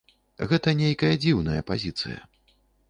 Гэта нейкая дзіўная пазіцыя.